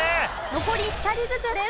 残り２人ずつです。